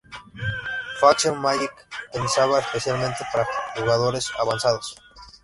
Facción Magic: Pensada especialmente para jugadores avanzados.